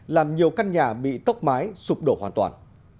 làm nhiều căn nhà bị tốc mái sụp đổ hoàn toàn